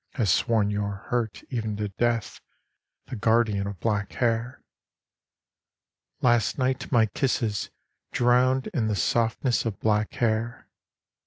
Has sworn your hurt even to death, the Guardian of black hair. — Last night my kisses drowned in the softness of black hair.